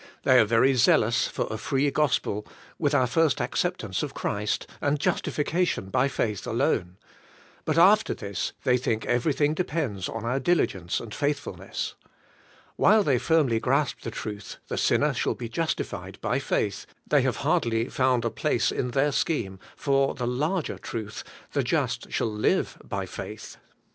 They are very zealous for a free gospel, with our first acceptance of Christ, and justification by faith alone. But after this they think everything depends on our diligence and faith fulness. While they firmly grasp the truth, *The sinner shall be justified by faith,' they have hardly found a place in their scheme for the larger truth, *The just shall live by faith.'